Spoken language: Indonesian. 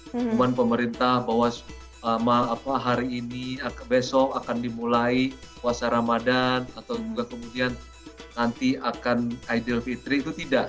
pengumuman pemerintah bahwa hari ini besok akan dimulai puasa ramadan atau kemudian nanti akan aidilfitri itu tidak